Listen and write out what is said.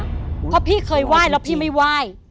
เพราะพี่เคยไหว้แล้วพี่ไม่ไหว้